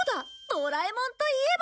ドラえもんといえば。